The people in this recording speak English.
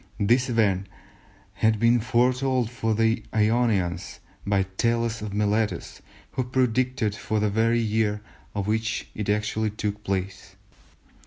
This event had been foretold to the Ionians by Thales of Miletus, who predicted for it the very year in which it actually took place.